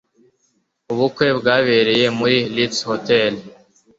Ubukwe bwabereye muri Ritz Hotel.